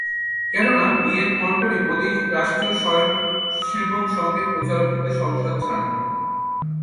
কেননা, বিয়ের পরপরই মোদি রাষ্ট্রীয় স্বয়ংসেবক সংঘের প্রচারক হতে সংসার ছাড়েন।